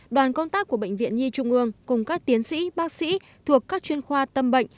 đoàn công tác của bệnh viện nhi trung ương cùng các tiến sĩ bác sĩ thuộc các chuyên khoa tâm bệnh